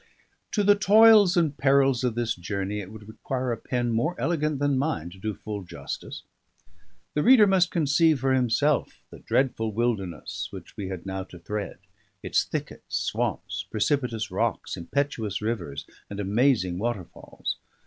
To the toils and perils of this journey it would require a pen more elegant than mine to do full justice. The reader must conceive for himself the dreadful wilderness which we had now to thread; its thickets, swamps, precipitous rocks, impetuous rivers, and amazing waterfalls.